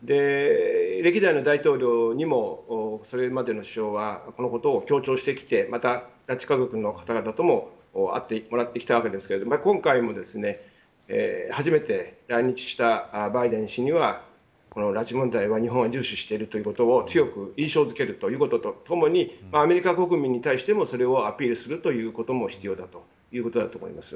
歴代の大統領にもそれまでの首相はこのことを強調してきてまた、拉致家族の方々とも会ってもらってきたわけですが今回も初めて来日したバイデン氏にはこの拉致問題は日本は重視していることを強く印象づけるということとともにアメリカ国民に対してもそれをアピールすることも必要だということだと思います。